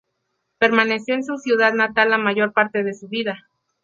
Permaneció en su ciudad natal la mayor parte de su vida.